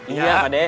iya pak deh